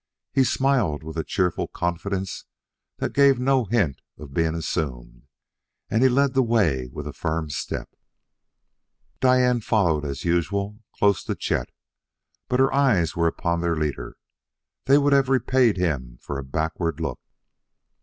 He smiled with a cheerful confidence that gave no hint of being assumed, and he led the way with a firm step. Diane followed as usual, close to Chet. But her eyes were upon their leader; they would have repaid him for a backward look.